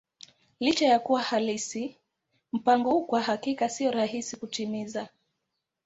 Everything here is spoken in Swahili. Licha ya kuwa halisi, mpango huu kwa hakika sio rahisi kutimiza.